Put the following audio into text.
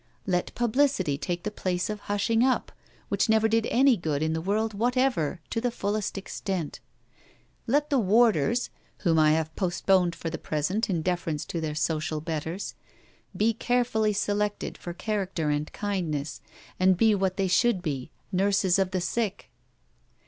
Let publicity take the place of hushing up which never did any good in the world whatever to the fullest extent. Let the warders (whom I have postponed for the present in deference to their social betters) be carefully selected for character and kindness, and be what they should be nurses of the sick.